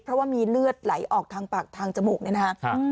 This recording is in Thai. เพราะว่ามีเลือดไหลออกทางปากทางจมูกเนี่ยนะครับ